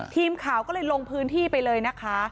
ทีมข่าวก็เลยลงพื้นที่ไปเลยนะคะ